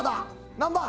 何番？